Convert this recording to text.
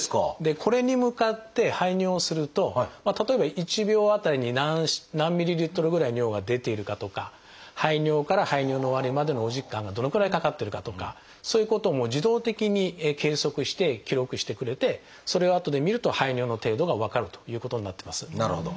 これに向かって排尿すると例えば１秒当たりに何ｍＬぐらい尿が出ているかとか排尿から排尿の終わりまでのお時間がどのくらいかかってるかとかそういうことを自動的に計測して記録してくれてそれをあとで見ると排尿の程度が分かるということになってます。